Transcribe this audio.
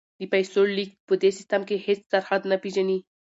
د پیسو لیږد په دې سیستم کې هیڅ سرحد نه پیژني.